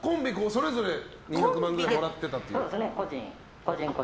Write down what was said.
それぞれ２００万ぐらいもらってたという？